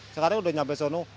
sekarang udah nyampe sono